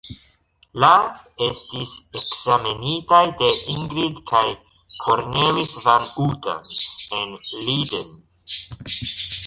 La estis ekzamenitaj de Ingrid kaj Cornelis van Houten en Leiden.